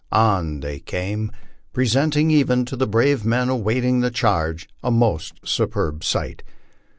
On they came, presenting even to the brave men awaiting the charge a most superb sight.